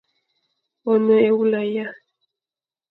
One ewula ya?